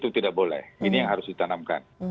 itu tidak boleh ini yang harus ditanamkan